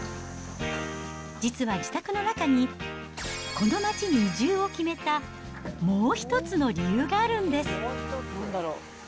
実は自宅の中に、この町に移住を決めたもう一つの理由があるんです。